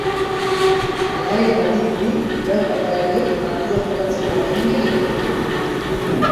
Hala ere badirudi lau jokalariek partida jokatzeko ahalegina egingo dutela.